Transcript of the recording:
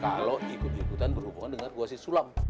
kalau ikut ikutan berhubungan dengan gua si sulam